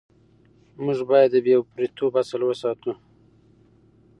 موږ باید د بې پرېتوب اصل وساتو.